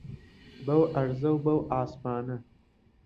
بەو عەرزە و بە عاسمانە